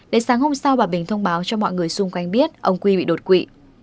đến sáng hôm sau bà bình thông báo cho mọi người xung quanh biết ông quy bị đột quỵ